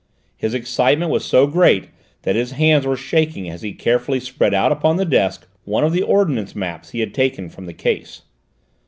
His excitement was so great that his hands were shaking as he carefully spread out upon the desk one of the ordnance maps he had taken from the case.